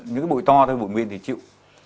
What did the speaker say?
những cái bụi to thôi bụi nguyên thì chịu